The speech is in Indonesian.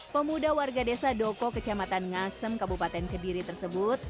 pemuda warga desa doko kecamatan ngasem kabupaten kediri tersebut